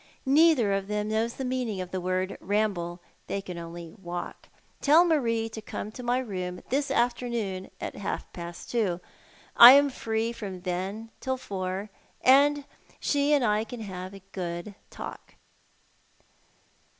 Neither of them knows the meaning of the word ramble. Tliey can only walk. Tell Marie to corao to my room this afternoon at half past two. I am free from then till four, and she and I can have a good talk."